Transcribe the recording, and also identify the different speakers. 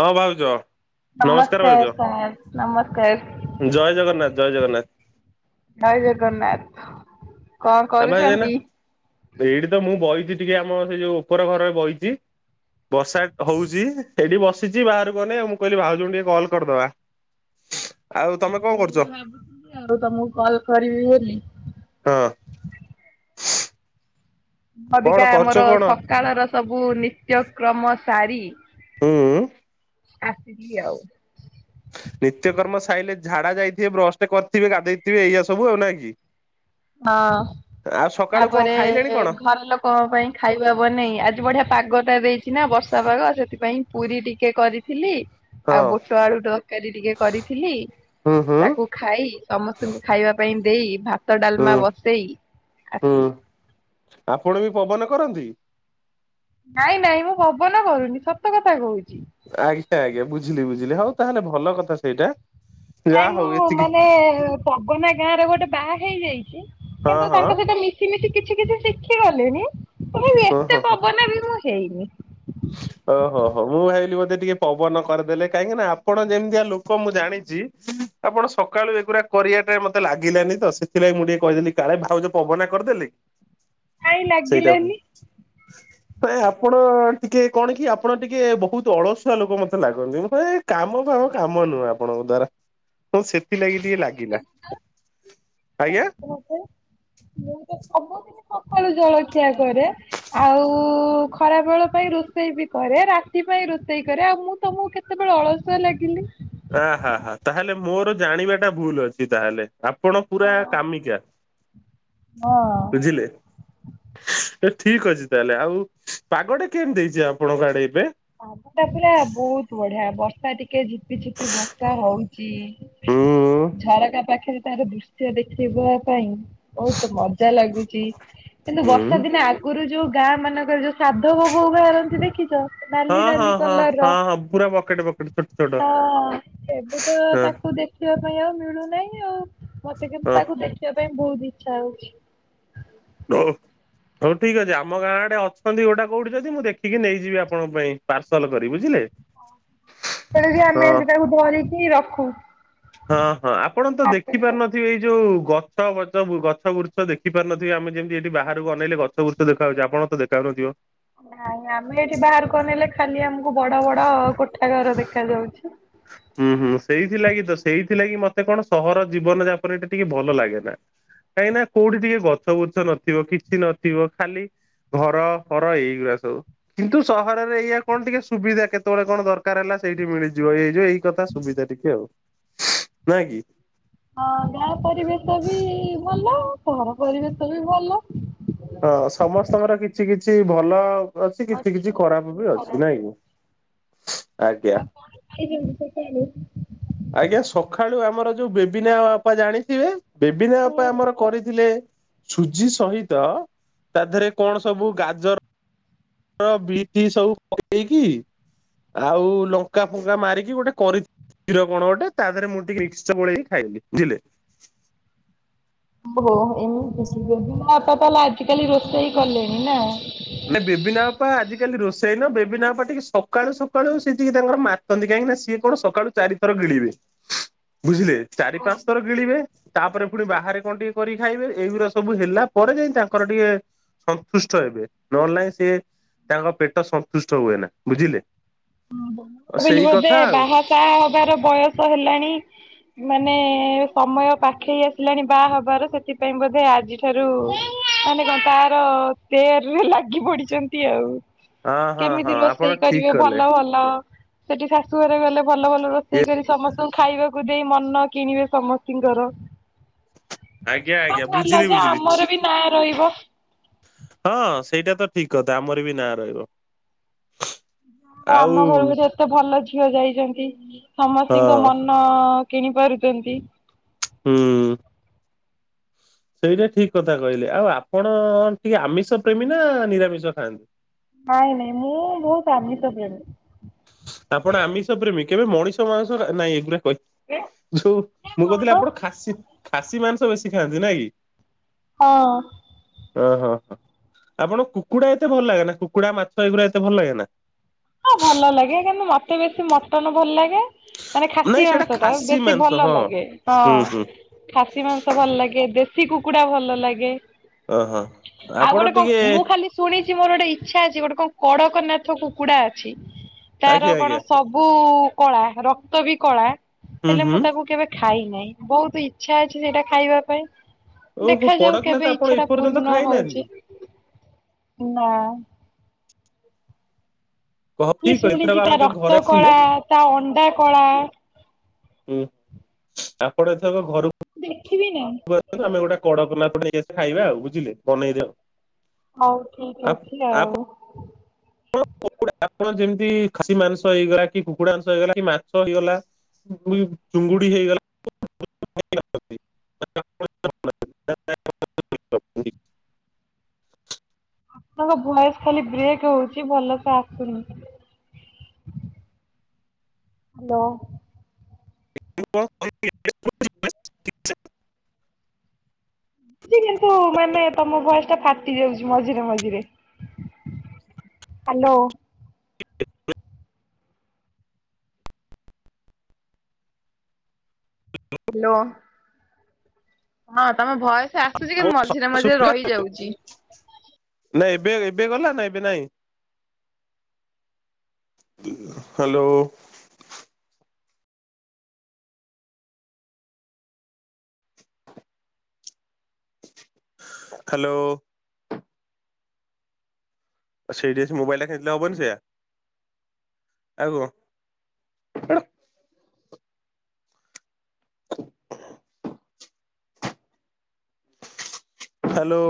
Speaker 1: ହଁ ଭାଉଜ ନମସ୍କାର ଭାଉଜ
Speaker 2: ସାର୍ ନମସ୍କାର
Speaker 1: ଜୟ ଜଗନ୍ନାଥ। ଜୟ ଜଗନ୍ନାଥ।
Speaker 2: ଜୟ ଜଗନ୍ନାଥ। କଣ
Speaker 1: ଆବଜ୍ ଆଇଲା
Speaker 2: କରୁଛନ୍ତି?
Speaker 1: ଭିଡ଼ ତ ମୁଁ ବହିଛି ଟିକେ ଆମ ସେଇ ଯୋଉ ଉପର ଘରରେ ବହିଛି ବର୍ଷା ହଉଛି ସେଠି ବସିଛି ବାହାରକୁ ଅନେଇ ଆଉ ମୁଁ କହିଲି ଭାଉଜ କୁ ଟିକେ କଲ କରିଦବା ଆଉ ତମେ କଣ
Speaker 2: ମୁଁ
Speaker 1: କରୁଚ
Speaker 2: ବି ଭାବୁଥିଲି ଆଉ ତମକୁ କଲ କରିବି ବୋଲି
Speaker 1: ହଁ। କଣ
Speaker 2: ଅବିକା
Speaker 1: କରୁଚ
Speaker 2: ଆମର
Speaker 1: କଣ?
Speaker 2: ସକାଳର ସବୁ ନିତ୍ୟକ୍ରମ ସାରି
Speaker 1: ହୁଁ।
Speaker 2: ଆସିଲି ଆଉ।
Speaker 1: ନିତ୍ୟକର୍ମ ସାଇଲେ ଝାଡା ଯାଇଥିବେ ବ୍ରସ ଟେ କରିଥିବେ ଗାଧେଇଥିବେ ଏଇଆ ସବୁ ଆଉ ନାଇଁ କି?
Speaker 2: ହଁ।
Speaker 1: ଆଉ ସକାଳୁ କଣ
Speaker 2: ତାପରେ
Speaker 1: ଖାଇଲେଣି କଣ
Speaker 2: ଘର ଲୋକଙ୍କ ପାଇଁ ଖାଇବା ବନେଇ ଆଜି ବଢିଆ ପାଗ। ଟା ଦେଇଛି ନା ବର୍ଷା ପାଗ ସେଥିପାଇଁ ପୁରି ଟିକେ କରିଥିଲି। ଆଉ
Speaker 1: ହଁ
Speaker 2: ବୁଟ ଆଳୁ ତରକାରୀ ଟିକେ କରିଥିଲି?
Speaker 1: ହୁଁ ହୁଁ
Speaker 2: ତାକୁ ଖାଇ ସମସ୍ତଙ୍କୁ ଖାଇବା ପାଇଁ ଦେଇ ଭାତ ଡାଲମା
Speaker 1: ହୁଁ
Speaker 2: ବସେଇ
Speaker 1: ହୁଁ।
Speaker 2: ଆସିଲି।
Speaker 1: ଆପଣ ବି ପବନ କରନ୍ତି?
Speaker 2: ନାଇଁ ନାଇଁ ମୁଁ ପବନ କରୁନି ସତ କଥା କହୁଛି।
Speaker 1: ଆଜ୍ଞା ଆଜ୍ଞା ବୁଝିଲି ବୁଝିଲି ହଉ ତାହେଲେ ଭଲ କଥା ସେଇଟା। ଯାହା
Speaker 2: ନାଇଁ
Speaker 1: ହଉ
Speaker 2: ମୁଁ
Speaker 1: ଏତିକି
Speaker 2: ମାନେ ପବନା ଗାଁ ର ଗୋଟେ ବାହା ହେଇଯାଇଛି।
Speaker 1: ହଁ
Speaker 2: କିନ୍ତୁ
Speaker 1: ହଁ
Speaker 2: ତାଙ୍କ ସହିତ ମିଶିମିଶି କିଛି କିଛି ଶିଖି ଗଲିଣି ତଥାପି
Speaker 1: ହଁ ହଁ
Speaker 2: ଏତେ
Speaker 1: ହଁ।
Speaker 2: ପବନ ବି ମୁଁ ହେଇନି।
Speaker 1: ଓହୋ ହୋ ମୁଁ ଭାବିଲି ବୋଧେ ଟିକେ ପବନ କରିଦେଲେ କାହିକି ନା ଆପଣ ଯେମିତିଆ ଲୋକ ମୁଁ ଜାଣିଛି ଆପଣ ସକାଳୁ ଏଗୁଡ଼ା କରିବାଟା ମତେ ଲାଗିଲାନି ତ ସେଥିଲାଗି ମୁଁ ଟିକେ କହିଦେଲି କାଳେ ଭାଉଜ ପବନା କରିଦେଲି କି?
Speaker 2: କାଇଁ ଲାଗିଲାନି?
Speaker 1: ତ ଆପଣ ଟିକେ କଣ କି ଆପଣ ଟିକେ ବହୁତ ଅଳସୁଆ ଲୋକ ମତେ ଲାଗନ୍ତି ମୁ କହିଲି କାମ କାମ କାମ ନୁହେଁ ଆପଣଙ୍କ [inaudible] ହଁ ସେଥିଲାଗି ଟିକେ ଲାଗିଲା ଆଜ୍ଞା।
Speaker 2: ମତେ। ମୁଁ ତ ସବୁ ସକାଳୁ ଜଳଖିଆ କରେ ଆଉ ଖରା ବେଳ ପାଇଁ ରୋଷେଇ ବି କରେ ରାତି ପାଇଁ ରୋଷେଇ କରେ ଆଉ ମୁଁ ତମକୁ କେତେବେଳେ ଅଳସୁଆ ଲାଗିଲି?
Speaker 1: ଅହ ହା ହା ତାହେଲେ ମୋର ଜାଣିବା ଟା ଭୁଲ ଅଛି ତାହେଲେ। ଆପଣ ପୁରା କାମିକା
Speaker 2: ହଁ।
Speaker 1: ବୁଝିଲେ ଠିକ ଅଛି ତାହେଲେ ଆଉ ପାଗଟା କେମତି ଦେଇଛି ଆପଣଙ୍କ ଆଡେ ଏବେ?
Speaker 2: ଆଗଟା ପୁରା ବହୁତ ବଢିଆ ବର୍ଷା ଟିକେ ଜ ଝିପି ଝିପି ବର୍ଷା ହଉଚ
Speaker 1: ହଁ
Speaker 2: ଝରକା ପାଖରେ ତାର ଦୃଶ୍ୟ ଦେଖେଇବା ପାଇଁ ବହୁତ ମଜା ଲାଗୁଛି କିନ୍ତୁ ବର୍ଷା ଦିନେ ଆ ଆଗୁରୁ ଯୋଉ ଗାଁ ମାନଙ୍କରେ ଯୋଉ ସାଧବ ବୋଉ ବାହାରନ୍ତି ଦେଖିଛ? ନାଲି
Speaker 1: ହଁ ହଁ
Speaker 2: ନାଲି କଲର ର
Speaker 1: ହଁ ହଁ ପୁରା ବକେଟ ବକେଟ ଛୋଟ ଛୋଟ
Speaker 2: ହଁ ଏବେ ତ
Speaker 1: ହଁ
Speaker 2: ତାକୁ ଦେଖିବା ପାଇଁ ଆଉ ମିଳୁନ ନାଇଁ ଆଉ, ମତେ କିନ୍ତୁ
Speaker 1: ହଁ।
Speaker 2: ତାକୁ ଦେଖିବା ପାଇଁ ବହୁତ ଇଚ୍ଛା ହଉଛି।
Speaker 1: ନୋ! ହଉ ଠିକ୍ ଅଛି। ଆମ ଗାଁ ଆଡେ ଅଛନ୍ତି, ଗୋଟା କୋଉଠି ଯଦି, ମୁଁ ଦେଖିକି ନେଇଯିବି ଆପଣଙ୍କ ପାଇଁ, ପାର୍ସଲ କରି ବୁଝିଲେ।
Speaker 2: ହଁ, ସେଇଟା ବି ଆମେ
Speaker 1: ହଁ।
Speaker 2: ଏମିତି ତାକୁ ଧରିକି ରଖୁ।
Speaker 1: ହଁ, ହଁ, ଆପଣ ତ ଦେଖି
Speaker 2: ହାତରେ ର
Speaker 1: ପାରୁନଥିବେ, ଏଇ ଯୋଉ କୁ ଗଛ ଗଛ ଗଛ ଗୃଛ ଦେଖି ପାରୁନଥିବେ। ଆମେ ଯେମିତି ଏଠି ବାହାରକୁ ଅନେଇଲେ ଗଛ ବ୍ରୁଛ ଦେଖାହଉଛି। ଆପଣ ଦେଖାଉ ନଥିବ।
Speaker 2: ନାଇଁ, ଆମେ ଏଠି ବାହାରକୁ ଅନେଇଲେ ଖାଲି ଆମକୁ ବଡ଼ ବଡ଼ କୋଠା ଘର ଦେଖା ଯାଉଛି।
Speaker 1: ହୁଁ, ହୁଁ, ସେଇଥିଲାଗି ତ ସେଇଥିଲାଗି ମତେ କଣ, ସହର ଜୀବନ ଯାପନ ଟା ଟିକେ ଭଲ ଲାଗେ ନା। କାହିଁକି ନା, କୋଉଠି ଟିକେ ଗଛ ଗୁଛ ନଥିବ। କିଛି ନଥିବ ଖାଲି ଘର ହର ଏଇଗୁଡା ସବୁ, କିନ୍ତୁ ସହରରେ ଏଇଆ କଣ ଟିକେ ସୁବିଧା କେତେବେଳେ କଣ ଦରକାର ହେଲା! ସେଇଠି ମିଳିଯିବ, ଏଇ ହେଇଯିବ, ଏଇ କଥା ସୁବିଧା ଟିକେ ଆଉ ନାଇଁ କି।
Speaker 2: ହଁ, ଗାଁ ପରିବେଶ ବି ଭଲ। ସହର ପରିବେଶ ବି ଭଲ।
Speaker 1: ହଁ, ସମସ୍ତଙ୍କର କିଛି କିଛି ଭଲ ଅଛି, କିଛି କିଛି ଖରାପ ବି ଅଛି। ନାଇଁ କି! ଆଜ୍ଞା
Speaker 2: [inaudible]
Speaker 1: ଆଜ୍ଞା, ସଖାଳୁ ଆମର ଯୋଉ ବେବିନା ଅପା ଜାଣିଥିବେ? ବେବିନା ଅପା ଆମର କରିଥିଲେ ସୁଜି ସହିତ ତା ଦେହରେ କଣ ସବୁ ଗାଜର ର ବିଟ୍ ସବୁ ପକେଇକି ଆଉ ଲଙ୍କା, ଫଙ୍କା ମାରିକି ଗୋଟେ କରି କ୍ଷୀର କଣ ଗଟେ, ତା ଦେହରେ ମୁଁ ଟିକେ ମିକ୍ସଚ ଗୋଳେଇକି ଖାଇଲି ଝିଲେ!
Speaker 2: ଓହ! ଏମିତି କି ବେବିନା ଅପା ତାହେଲେ, ଆଜି କାଲି ରୋଷେଇ କଲେଣି ନା!
Speaker 1: ନା ବେଭିିନାପା ଆଜିିକାଲି ରୋଷ୍ ସେଇନ ବେବିନା ଅପା ଟିକେ, ସକାଳୁ ସକାଳୁ ସିଏ ଟିକେ ତାଙ୍କର ମାତନ୍ତି। କାହିଁକି ନା, ସିଏ କଣ ସକାଳୁ ଚାରିଥର ଗିଳିବେ। ବୁଝିଲେ, ଚାରି ପାଞ୍ଚ ଥର ଗିଳିବେ। ତା'ପରେ ପୁଣି ବାହାରେ କଣ ଟିକେ କରିକି ଖାଇବେ। ଏଇଗୁରା ସବୁ ହେଲା ପରେ ଯାଇ, ତାଙ୍କର ଟିକେ ସନ୍ତୁଷ୍ଟ ହେବେ। ନହେଲେ, ସିଏ ତାଙ୍କ ପେଟ ସନ୍ତୁଷ୍ଟ ହୁଏନା। ବୁଝିଲେ!
Speaker 2: ହଁ, ଭାବିଲି
Speaker 1: ସେଇ
Speaker 2: ବୋଧେ!
Speaker 1: କଥା ଆଉ।
Speaker 2: ବାହା ସାାହା ହବାର ବୟସ ହେଲାଣି। ମାନେ ସମୟ ପାଖେଇ ଆସିଲାଣି ବାହା ହବାର ସେଥିପାଇଁ, ବୋଧେ ଆଜିଠାରୁ ମାନେ କଣ? ତାର ତେୟାର ରେ ଲାଗି ପଡିଛନ୍ତି ଆଉ।
Speaker 1: ହଁ ହଁ
Speaker 2: କେମିତି
Speaker 1: ହଁ ଆପଣ
Speaker 2: ରୋଷେଇ
Speaker 1: ଠିକ
Speaker 2: କରିବେ, ଭ
Speaker 1: କଲେ
Speaker 2: ଭଲ ଭଲ ସେଠି ଶାଶୁ ଘରେ ଗଲେ, ଭଲ ଭଲ ରୋଷେଇ କରି ସମସ୍ତଙ୍କୁ ଖାଇବାକୁ ଦେଇ ମନ କିଣିବେ ସମସ୍ତିଙ୍କର।
Speaker 1: ଆଜ୍ଞା
Speaker 2: ହଁ,
Speaker 1: ଆଜ୍ଞା
Speaker 2: ଭଲ
Speaker 1: ବୁଝିଲି
Speaker 2: ଯେ ଆମର
Speaker 1: ବୁଝିଲି।
Speaker 2: ବି ନାଁ ରହିବ।
Speaker 1: ହଁ, ସେଇଟା ତ ଠିକ୍ କଥା ଆମର ବି ନାଁ ରହିବ। ଆଉ
Speaker 2: ଆମ ଘରୁ ଗୋଟେ ଏତେ ଭଲ ଝିଅ ଯାଇଛନ୍ତି। ସମସ୍ତିଙ୍କ
Speaker 1: ହଁ
Speaker 2: ମନ-ଅ କିଣି ପାରୁଚନ୍ତି।
Speaker 1: ହୁଁ। ସେଇଟା ଠିକ୍ କଥା କହିଲେ ଆଉ, ଆପଣ ଟିକେ ଆମିଷ ପ୍ରେମି ନା ନିରାମିଷ ଖାଆନ୍ତି?
Speaker 2: ନାଇଁ ନାଇଁ ମୁଁ ବହୁତ ଆମିଷ ପ୍ରେମୀ।
Speaker 1: ଆପଣ ଆମିଷ ପ୍ରେମୀ! କେବେ ମଣିଷ ମାଂସ ଖା ନାଇଁ ଏଗୁରା କହି ଯୋଉ ମୁଁ କହୁଥିଲି,
Speaker 2: କଣ
Speaker 1: ଆପଣ ଖାସି ଖାସି ମାଂସ ବେଶୀ ଖାଆନ୍ତି ନାଇଁ କି?
Speaker 2: ହଁ।
Speaker 1: ଅ ହ ହ, ଆପଣ କୁକୁଡା ଏତେ ଭଲ ଲାଗେନା, କୁକୁଡା ମାଛ, ଏଇଗୁଡ଼ା ଏତେ ଭଲ ଲାଗେ ନା।
Speaker 2: ହଁ, ଭଲ ଲାଗେ କିନ୍ତୁ, ମତେ ବେଶୀ ମଟନ ଭଲ ଲାଗେ। ମାନେ ଖାସି
Speaker 1: ନାଇଁ ସେଇଟା
Speaker 2: ମାଂସ ଟା
Speaker 1: ଖାସି
Speaker 2: ବେଶୀ
Speaker 1: ମାଂସ
Speaker 2: ଭଲ
Speaker 1: ହଁ
Speaker 2: ଲାଗେ
Speaker 1: ହୁଁ ହୁଁ
Speaker 2: ହଁ। ଖାସି ମାଂସ ଭଲ ଲାଗେ ଦେଶୀ କୁକୁଡା ଭଲ ଲାଗେ।
Speaker 1: ଓହୋ।
Speaker 2: ଆଉ
Speaker 1: ଆପଣ
Speaker 2: ଗୋଟେ କଣ
Speaker 1: ଟିକେ
Speaker 2: ମୁଁ ଖାଲି ଶୁଣିଛି ମୋର ଗୋଟେ ଇଚ୍ଛା ଅଛି ଗୋଟେ କଣ କଡ଼କନାଥ କୁକୁଡା ଅଛି। ତାର
Speaker 1: ଆଜ୍ଞା
Speaker 2: କଣ
Speaker 1: ଆଜ୍ଞା
Speaker 2: ସବୁ କଳା ରକ୍ତ ବି କଳା
Speaker 1: ହୁଁ
Speaker 2: ହେଲେ ମୁଁ
Speaker 1: ହୁଁ
Speaker 2: ତାକୁ କେବେ ଖାଇ ଖାଇ ନେହିଁ ବହୁତ ଇଚ୍ଛା ଅଛି ସେଇଟା ଖାଇବା ପାଇଁ।
Speaker 1: ଓହୋ
Speaker 2: ଦେଖାଯାଉ
Speaker 1: କଡ଼କନାଥ
Speaker 2: କେବେ
Speaker 1: ଆପଣ
Speaker 2: ଇଚ୍ଛାଟା
Speaker 1: ଏପର୍ଯ୍ୟନ୍ତ
Speaker 2: ପୂର୍ଣ୍ଣ
Speaker 1: ଖାଇନାହାନ୍ତି?
Speaker 2: ହଉଛି? ନା।
Speaker 1: କହ
Speaker 2: ହେ
Speaker 1: ଠିକ ଏଥରକ
Speaker 2: ଶୁଣିଛି
Speaker 1: ଆପଣ
Speaker 2: ତା
Speaker 1: କେବେ
Speaker 2: ରକ୍ତ
Speaker 1: ଘରେ ଆସିଲେ
Speaker 2: କଳା, ତା ଅଣ୍ଡା କଳା
Speaker 1: ହୁଁ ଆପଣ ଏଥରକ
Speaker 2: ଦେଖିବି ନା।
Speaker 1: ଘରକୁ ଆମେ ଗୋଟେ କଡକନାଥ ନେଇକି ଆସିଲେ ଖାଇବା ଆଉ ବୁଝିଲେ ବନେଇ ଦେବେ।
Speaker 2: ହଉ ଠିକ ଅଛି ଆଉ।
Speaker 1: [unintelligible] ଆପଣ ଯେମିତି ଖାସି ମାଂସ ହେଇଗଲା କି କୁକୁଡ଼ା ମାଂସ ହେଇଗଲା କି ମାଛ ହେଇଗଲା [unintelligible] ଚିଙ୍ଗୁଡ଼ି ହେଇଗଲା [inaudible] [unintelligible]
Speaker 2: ଆପଣଙ୍କ ଭୟସ ଖାଲି ବ୍ରେକ୍ ହଉଛି ଭଲସେ ଆସୁନି। [inaudible] ହାଲୋ।
Speaker 1: [unintelligible]
Speaker 2: ଯେ କିନ୍ତୁ ମାନେ ତମ ଭଏସ୍ ଟା ଫାଟି ଯାଉଛି ମଝିରେ ମଝିରେ। ହାଲୋ। ହାଲୋ। ହଁ ତମ ଭଏସ୍ ଆସୁଛି କି ମଝିରେ ମଝିରେ ରହିଯାଉଚି।
Speaker 1: ନାଇଁ ଏବେ ଏବେ ଗଲା ନା ଏବେ ନାଇଁ। ହାଲୋ। ହାଲୋ। ସେଇଠି ସେ ମୋବାଇଲ [unintelligible] ହବନି ସେଇଆ ଆଉ କଣ ଏଟା ହାଲୋ।